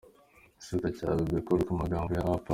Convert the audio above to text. Igisubizo cya Bebe Cool ku magambo ya A Pass.